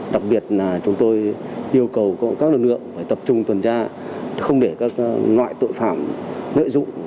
đặc biệt chúng tôi yêu cầu các nguyên liệu tập trung tuần tra không để các loại tội phạm nợ dụng